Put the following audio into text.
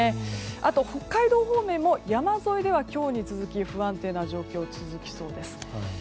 あと北海道方面も山沿いでは今日に続き不安定な状況が続きそうです。